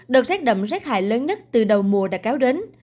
đợt rét đậm rét hại lớn nhất từ đầu mùa đã kéo đến